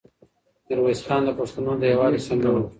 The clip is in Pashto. میرویس خان د پښتنو د یووالي سمبول و.